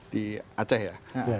di aceh ya